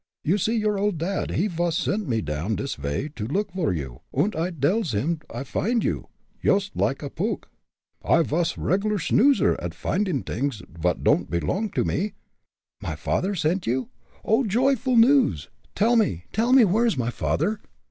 You see, your old dad he vas send me down dis vay to look vor you, und I dells him I find you, yoost like a pook. I vas a reg'lar snoozer at findin' dings vot don'd pelong to me." "My father sent you? Oh! joyful news! Tell me tell me, where is my father?"